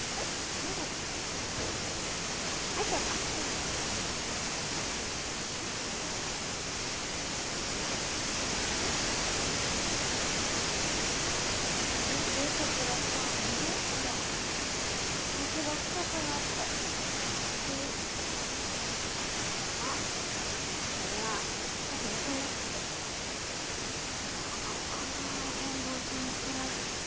まだだ入ってよっかうんよいしょねえ見て佐倉さんうん？ほら足が太くなったショックあっこれは少しむくんでるだけまだかな天堂先生